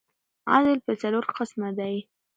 عدل پر څلور قسمه دئ.